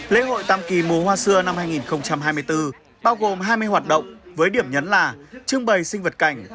lễ hội tam kỳ mùa hoa xưa năm hai nghìn hai mươi bốn bao gồm hai mươi hoạt động với điểm nhấn là trưng bày sinh vật cảnh